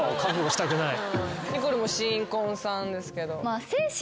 にこるんも新婚さんですけど。